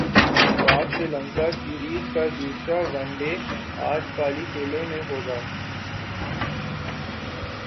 پاک سری لنکا سیریز کا دوسرا ون ڈے اج پالی کیلے میں ہوگا